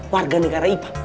warga negara ipang